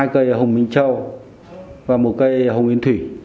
hai cây là hồng minh trâu và một cây là hồng minh thủy